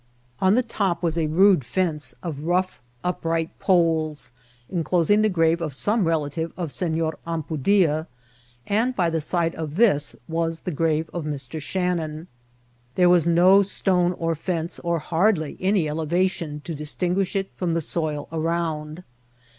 On the top was a rude fence of rough upright poles, enclo sing the grave of some relative of Senor Ampudia; and by the side of this was the grave of Mr. Shannon. There was no stone or fence, or hardly any elevation, to distinguish it from the soil around.